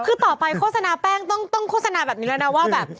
คือต่อไปโฆษณาแป้งต้องโฆษณาแบบนี้แล้วนะว่าแบบ